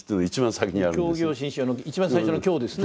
「教行信証」の一番最初の「教」ですね。